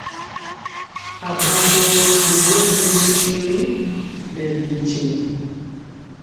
Aɓambo ri duwɔ bimu tiri nɛ bintiŋ.